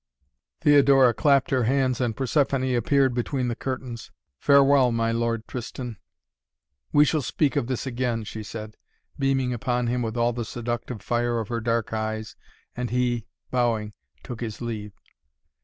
Theodora clapped her hands and Persephoné appeared between the curtains. "Farewell, my Lord Tristan. We shall speak of this again," she said, beaming upon him with all the seductive fire of her dark eyes, and he, bowing, took his leave.